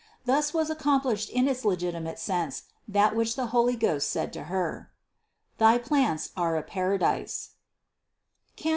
Thus was accomplished in its legitimate sense that which the Holy Ghost said to Her : "Thy plants are a paradise" (Cant.